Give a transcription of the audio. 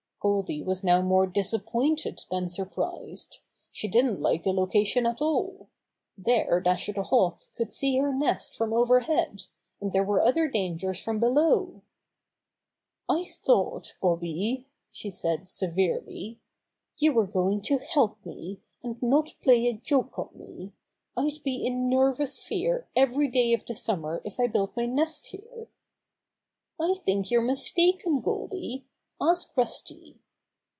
Goldy was now more disappointed than sur prised. She didn't like the location at alL There Dasher the Hawk could see her nest from overhead, and there were other dangers from below. "I thought, Bobby," she said severely, *^you were going to help me, and not play a joke on me. I'd be in nervous fear every day of the summer if I built my nest here." "I think you're mistaken, Goldy. Ask Rusty."